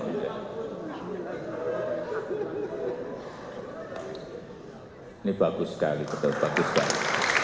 ini bagus sekali betul bagus sekali